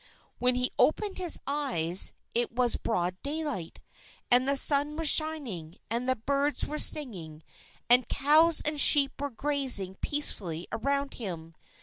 When he opened his eyes it was broad daylight, and the sun was shining, and the birds were singing, and cows and sheep were grazing peacefully around him.